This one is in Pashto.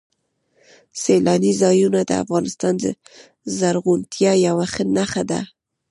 سیلاني ځایونه د افغانستان د زرغونتیا یوه نښه ده.